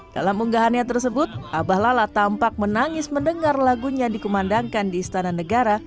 dalam unggahannya tersebut abah lala tampak menangis mendengar lagunya dikumandangkan di istana negara